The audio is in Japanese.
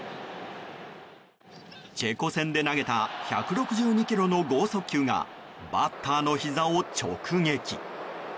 チェコ戦で投げた１６２キロの豪速球がバッターのひざを直撃。